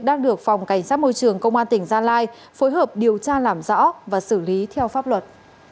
các đối tượng đã được phòng cảnh sát môi trường công an tỉnh gia lai phối hợp điều tra làm rõ và xử lý theo pháp luật